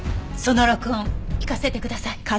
その録音聞かせてください。